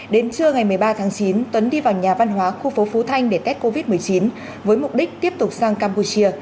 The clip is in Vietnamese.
đến trưa ngày một mươi ba tháng chín tuấn đi vào nhà văn hóa khu phố phú thanh để tết covid một mươi chín với mục đích tiếp tục sang campuchia